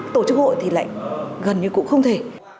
tổ chức hội thì lại gần như cũng không thể